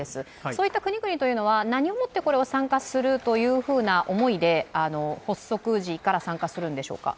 そういった国々というのは何をもって参加するという思いで発足時から参加するんでしょうか？